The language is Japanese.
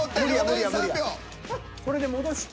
これで戻して。